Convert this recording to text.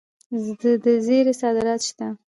د زیرې صادرات شته.